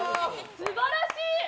素晴らしい。